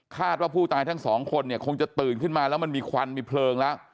ว่าผู้ตายทั้งสองคนเนี่ยคงจะตื่นขึ้นมาแล้วมันมีควันมีเพลิงแล้ว